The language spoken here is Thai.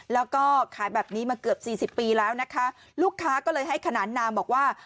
แล้วก็ขายแบบนี้มาเกือบสี่สิบปีแล้วนะคะลูกค้าก็เลยให้ขนานนามบอกว่า